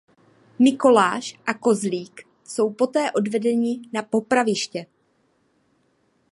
Mikoláš a Kozlík jsou poté odvedeni na popraviště.